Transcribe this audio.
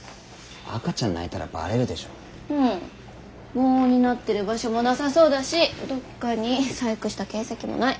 防音になってる場所もなさそうだしどっかに細工した形跡もない。